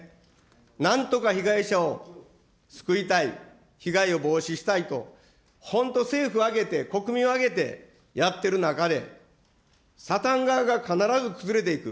なんとか被害者を救いたい、被害を防止したいと、本当、政府挙げて、国民を挙げてやってる中で、サタン側が必ず崩れていく。